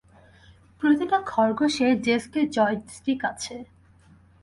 প্রতিটা খরগোশের ডেস্কে জয়স্টিক আছে।